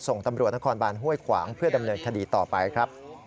ส่งตำรวจนครบานห้วยขวางเพื่อดำเนินคดีต่อไปครับ